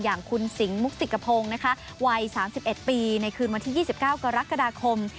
อย่างคุณสิงหมุกสิกพงศ์นะคะวัย๓๑ปีในคืนวันที่๒๙กรกฎาคม